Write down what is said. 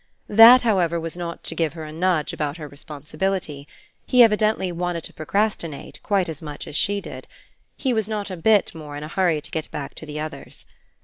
That, however, was not to give her a nudge about her responsibility. He evidently wanted to procrastinate quite as much as she did; he was not a bit more in a hurry to get back to the others.